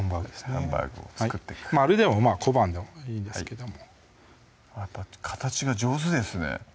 ハンバーグを作ってく丸でも小判でもいいんですけどもやっぱ形が上手ですね